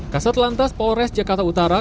kasat lantas polres jakarta utara